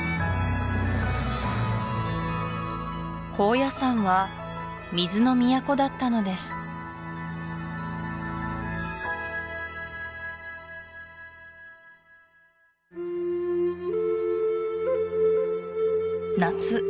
高野山は水の都だったのです夏